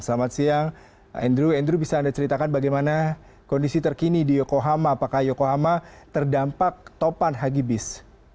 selamat siang andrew andrew bisa anda ceritakan bagaimana kondisi terkini di yokohama apakah yokohama terdampak topan hagibis